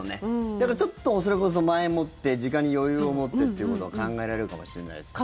だからちょっとそれこそ前もって時間に余裕をもってということが考えられるかもしれないですよね。